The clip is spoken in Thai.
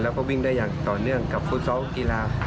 แล้วก็วิ่งได้อย่างต่อเนื่องกับฟุตซอลกีฬา